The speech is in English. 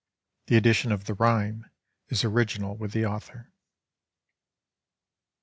The addition of the rhyme is original with the ., author